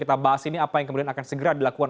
kita bahas ini apa yang kemudian akan segera dilakukan